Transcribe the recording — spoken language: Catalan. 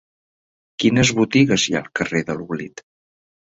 Quines botigues hi ha al carrer de l'Oblit?